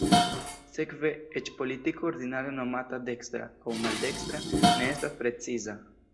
Sekve, eĉ politiko ordinare nomata "dekstra" aŭ "maldekstra" ne estas preciza.